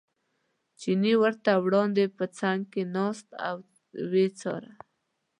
چیني ورته وړاندې په څنګ کې ناست او یې څاره.